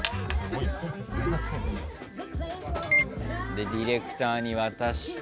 でディレクターに渡して。